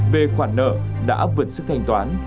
về khoản nợ đã ấp vận sức thành toán